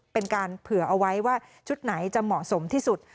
เป็นการเผื่อเอาไว้ว่าชุดไหนจะเหมาะสมที่สุด